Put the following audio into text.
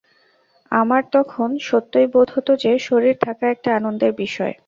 আমার তখন সত্যই বোধ হত যে, শরীর থাকা একটা আনন্দের বিষয়।